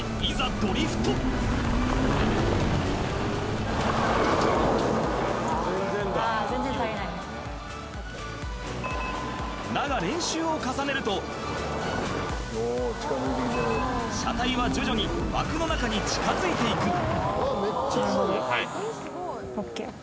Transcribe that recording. ドリフトああだが練習を重ねると車体は徐々に枠の中に近づいていくＯＫＯＫ